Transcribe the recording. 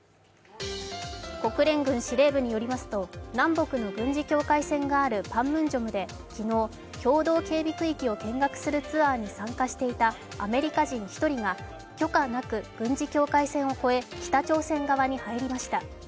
国連軍司令部によりますと南部の軍事境界線があるパンムンジョムで、昨日、共同警備区域を見学するツアーに参加していたアメリカ人１人が許可なく軍事境界線を越え、北朝鮮側に入りました。